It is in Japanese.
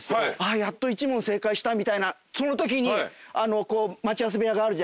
あやっと１問正解したみたいなそのときにあのこう。